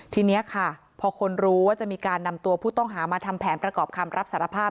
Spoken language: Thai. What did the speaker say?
ทีนี้ค่ะพอคนรู้ว่าจะมีการนำตัวผู้ต้องหามาทำแผนประกอบคำรับสารภาพ